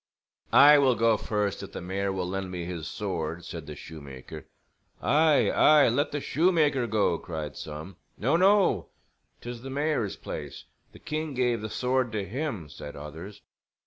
"I will go first if the mayor will lend me his sword," said the shoemaker. "Aye, aye, let the shoemaker go," cried some. "No, no, 'tis the mayor's place. The king gave the sword to him," said others.